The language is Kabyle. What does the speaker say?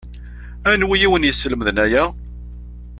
Anwi i wen-yeslemden aya?